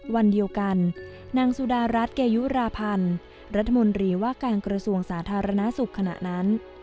วันเดียวกันนางสุดารัสเกยุเประราะภัณฑ์รัฐมนตรีว่ากลางกระสูงสาธารณสุกขณะนั้น